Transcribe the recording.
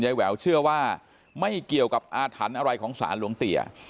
แหววเชื่อว่าไม่เกี่ยวกับอาถรรพ์อะไรของสารหลวงเตี๋ย